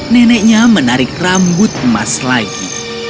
neneknya menarik rambut emas lagi